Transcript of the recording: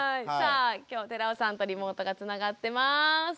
さあきょう寺尾さんとリモートがつながってます。